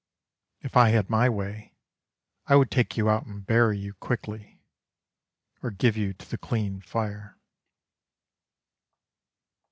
If I had my way, I would take you out and bury you quickly, Or give you to the clean fire.